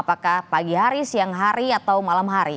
apakah pagi hari siang hari atau malam hari